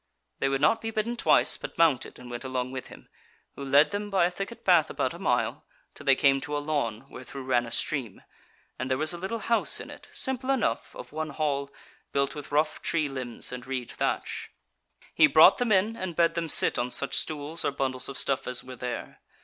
They would not be bidden twice, but mounted and went along with him, who led them by a thicket path about a mile, till they came to a lawn where through ran a stream; and there was a little house in it, simple enough, of one hall, built with rough tree limbs and reed thatch. He brought them in, and bade them sit on such stools or bundles of stuff as were there.